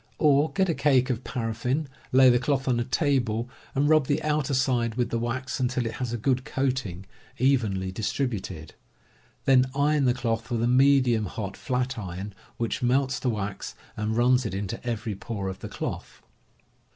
Or, get a cake of paraffin, lay the cloth on a table, and rub the outer side with the wax until it has a good coating, evenly distributed. Then iron the cloth with a medium hot flatiron, which melts the wax and runs it into every pore of the cloth.